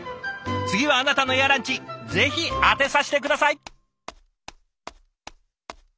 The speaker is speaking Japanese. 次はあなたのエアランチぜひ当てさせて下さい。